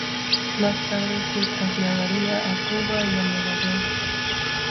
Más tarde, se trasladaría a Cuba y a Nueva York.